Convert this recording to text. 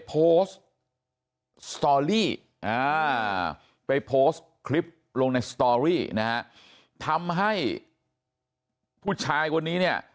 โพสต์สตอรี่ไปโพสต์คลิปลงในสตอรี่นะฮะทำให้ผู้ชายคนนี้เนี่ย